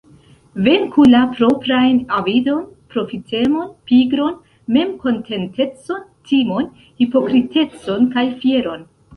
Venku la proprajn avidon, profitemon, pigron, memkontentecon, timon, hipokritecon kaj fieron.